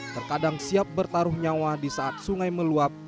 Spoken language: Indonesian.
terkadang siap bertaruh nyawa di saat sungai meluap